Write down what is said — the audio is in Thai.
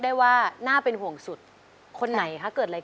ดูเขาเล็ดดมชมเล่นด้วยใจเปิดเลิศ